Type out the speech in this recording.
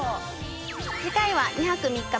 次回は２泊３日